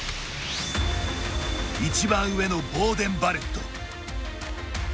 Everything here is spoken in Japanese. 一番上のボーデン・バレット。